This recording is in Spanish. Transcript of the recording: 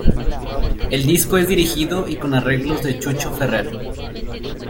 El disco es dirigido y con arreglos de Chucho Ferrer.